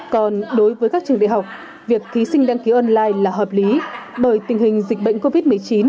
còn đối với các trường đại học việc thí sinh đăng ký online là hợp lý bởi tình hình dịch bệnh covid một mươi chín